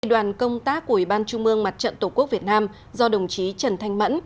đoàn công tác của ủy ban trung mương mặt trận tổ quốc việt nam do đồng chí trần thanh mẫn